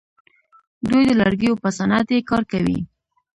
دوی د لرګیو په صنعت کې کار کوي.